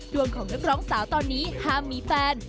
ดวงของนักร้องสาวตอนนี้ห้ามมีแฟน